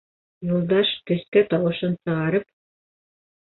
Юлдаш, көскә тауышын сығарып: